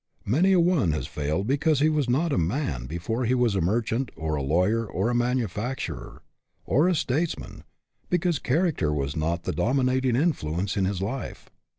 Many a one has failed because he was not a man before he was a merchant, or a lawyer, or a manufacturer, or a statesman because character was not the dominating influence in his life.